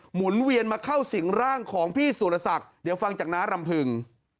หนมาเข้าสิงร่างของพี่สุรศักดิ์เดี๋ยวฟังจากน้ารำพึง